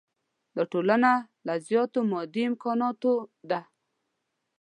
دا ټولنه له زیاتو مادي امکاناتو ده.